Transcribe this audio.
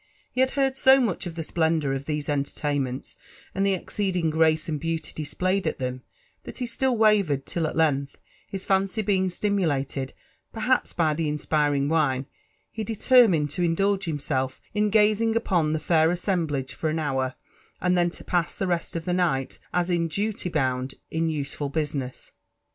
He had heard to much e( the splendour of Iheae anlerlaininenls, and the exceeding grace and haauly diaplayed at fhem, that he still wavered, till at length, his fnnty heing stimulated perhaps by the Inspiring wine, he determined to in tlulge himself in gazing upon the fair assemblage for an hour, and thes te pass the rest of the night, as in duty bound, in usehd business.